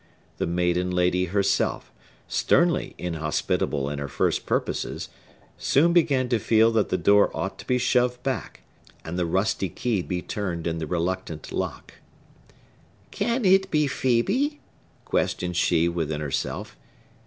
The maiden lady herself, sternly inhospitable in her first purposes, soon began to feel that the door ought to be shoved back, and the rusty key be turned in the reluctant lock. "Can it be Phœbe?" questioned she within herself.